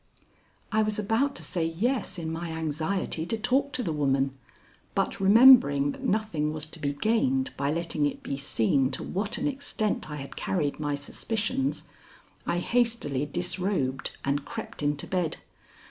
I was about to say yes in my anxiety to talk to the woman, but remembering that nothing was to be gained by letting it be seen to what an extent I had carried my suspicions, I hastily disrobed and crept into bed.